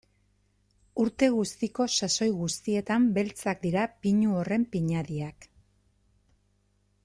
Urte guztiko sasoi guztietan beltzak dira pinu horren pinadiak.